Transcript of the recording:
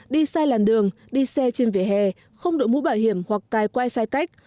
đi sai làn đường đi xe trên vỉa hè không đội mũ bảo hiểm hoặc cài quay sai cách